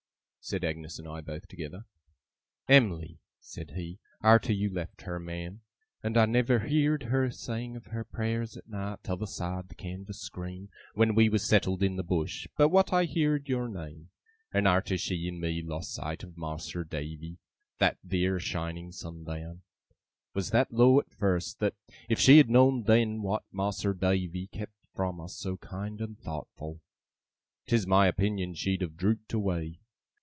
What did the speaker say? said Agnes and I, both together. 'Em'ly,' said he, 'arter you left her, ma'am and I never heerd her saying of her prayers at night, t'other side the canvas screen, when we was settled in the Bush, but what I heerd your name and arter she and me lost sight of Mas'r Davy, that theer shining sundown was that low, at first, that, if she had know'd then what Mas'r Davy kep from us so kind and thowtful, 'tis my opinion she'd have drooped away.